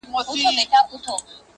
• د یارانې مثال د تېغ دی,